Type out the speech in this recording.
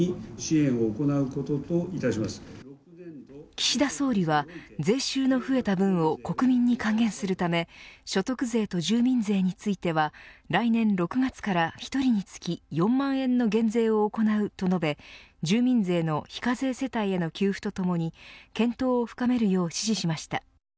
岸田総理は税収の増えた分を国民に還元するため所得税と住民税については来年６月から１人につき４万円の減税を行うと述べ住民税の非課税世帯への給付とともに検討を深めるよう指示しました。